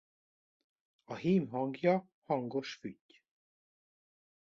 A hím hangja hangos fütty.